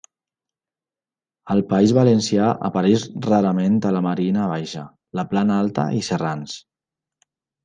Al País Valencià apareix rarament a la Marina Baixa, la Plana Alta i Serrans.